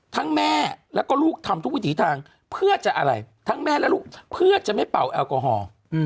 แม่แล้วก็ลูกทำทุกวิถีทางเพื่อจะอะไรทั้งแม่และลูกเพื่อจะไม่เป่าแอลกอฮอล์